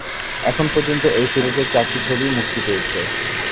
এখন পর্যন্ত এ সিরিজের চারটি ছবি মুক্তি পেয়েছে।